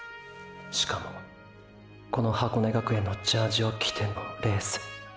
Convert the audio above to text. しかもこの箱根学園のジャージを着てのレース！！